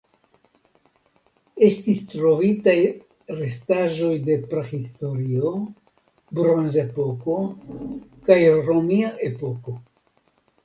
Estis trovitaj restaĵoj de prahistorio (Bronzepoko) kaj romia epoko.